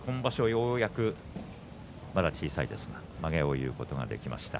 ようやくまだ小さいですがまげを結うことができました。